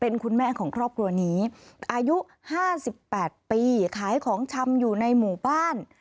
เป็นคุณแม่ของครอบครัวนี้อายุ๕๘ปีขายของชำอยู่ในหมู่บ้าน